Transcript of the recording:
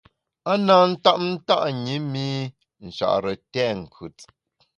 A na tap nta’ ṅi mi Nchare tèt nkùt.